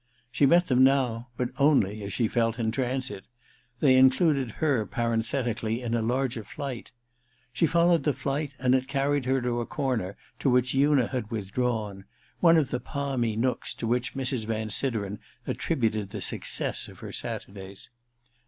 She met them now, but only, as she felt, in transit ; they included her parenthetically in a larger flight. She followed the flight, and it carried her to a corner to which Una had withdrawn — one of the palmy nooks to which Mrs. Van Sideren attributed the success of her Saturdays.